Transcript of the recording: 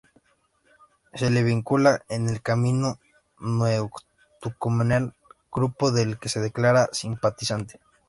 Se le vincula con el Camino Neocatecumenal, grupo del que se declara simpatizante.